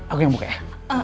aku yang buka ya